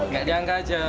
gak nyangka aja